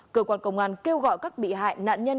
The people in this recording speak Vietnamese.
cơ quan công an kêu gọi các bị hại nạn nhân